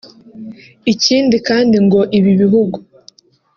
ikindi kandi ngo ibi bihugu